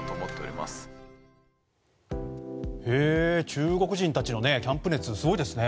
中国人たちのキャンプ熱すごいですね。